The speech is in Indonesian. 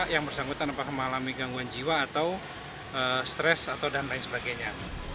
yang bersangkutan apakah mengalami gangguan jiwa atau stres atau dan lain sebagainya